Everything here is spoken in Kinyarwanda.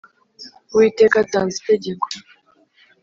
Uwiteka atanze itegeko